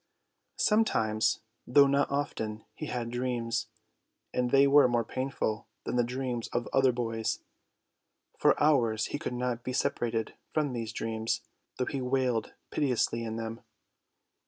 Sometimes, though not often, he had dreams, and they were more painful than the dreams of other boys. For hours he could not be separated from these dreams, though he wailed piteously in them.